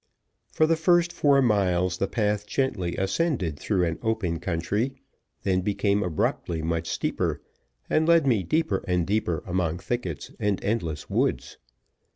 For the first four miles the path gently ascended through an open country, then became abruptly much steeper, and led me deeper and deeper among thickets and endless woods.